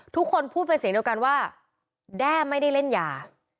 ทุกคนพูดเป็นเสียงเดียวกันว่าแด้ไม่ได้เล่นยา